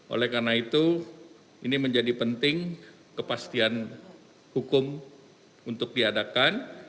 oleh karena itu ini menjadi penting kepastian hukum untuk diadakan